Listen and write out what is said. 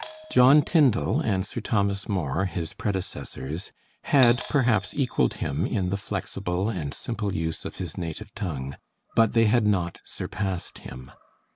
John Tindal and Sir Thomas More, his predecessors, had perhaps equaled him in the flexible and simple use of his native tongue, but they had not surpassed him.